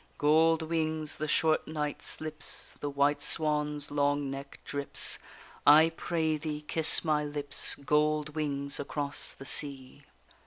Gold wings, the short night slips, The white swan's long neck drips, I pray thee kiss my lips, Gold wings across the sea!